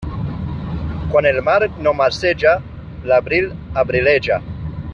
Quan el mar no marceja, l'abril abrileja.